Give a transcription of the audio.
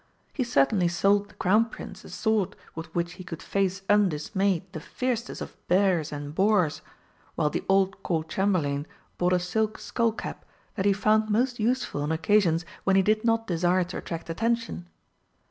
He certainly sold the Crown Prince a sword with which he could face undismayed the fiercest of bears and boars, while the old Court Chamberlain bought a silk skull cap that he found most useful on occasions when he did not desire to attract attention.